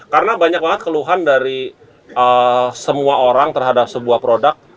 karena banyak banget keluhan dari semua orang terhadap sebuah produk